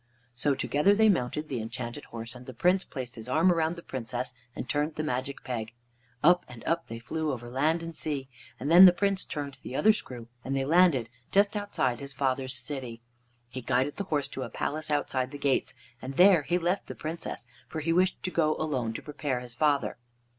So together they mounted the Enchanted Horse and the Prince placed his arm around the Princess and turned the magic peg. Up and up they flew over land and sea, and then the Prince turned the other screw, and they landed just outside his father's city. He guided the horse to a palace outside the gates, and there he left the Princess, for he wished to go alone to prepare his father.